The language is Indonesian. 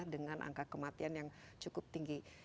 dengan angka kematian yang cukup tinggi